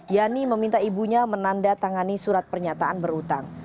yani meminta ibunya menanda tangani surat pernyataan berutang